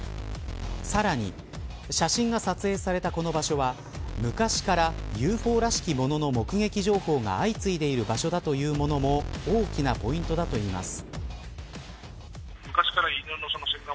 さらに写真が撮影されたこの場所は昔からＵＦＯらしきものの目撃情報が相次いでいる場所だというものも大きなポイントだといいます。